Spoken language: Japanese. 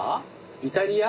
イタリア？